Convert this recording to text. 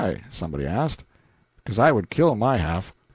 somebody asked. "Because I would kill my half."